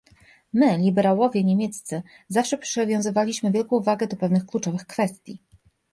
My liberałowie niemieccy zawsze przywiązywaliśmy wielką wagę do pewnych kluczowych kwestii